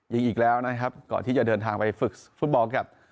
อีกแล้วนะครับก่อนที่จะเดินทางไปฝึกฟุตบอลกับ